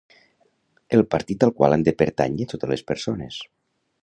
El Partit al qual han de pertànyer totes les persones.